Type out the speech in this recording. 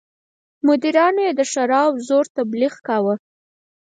مریدانو یې د ښرا او زور تبليغ کاوه.